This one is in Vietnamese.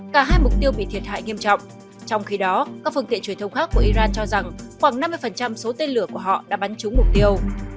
cả hai mục tiêu bị thiệt hại nghiêm trọng trong khi đó các phương tiện truyền thông khác của iran cho rằng khoảng năm mươi số tên lửa của họ đã bắn trúng mục tiêu